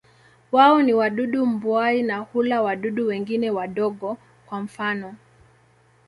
Wao ni wadudu mbuai na hula wadudu wengine wadogo, kwa mfano.